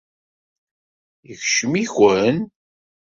Yeskcem-iken?